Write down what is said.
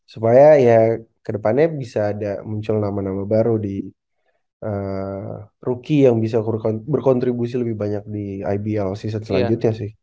supaya ya kedepannya bisa ada muncul nama nama baru di rookie yang bisa berkontribusi lebih banyak di ibl seas selanjutnya sih